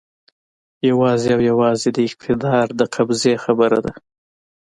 یوازې او یوازې د اقتدار د قبضې خبره ده.